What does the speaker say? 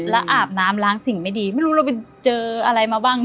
แล้วอาบน้ำล้างสิ่งไม่ดีไม่รู้เราไปเจออะไรมาบ้าง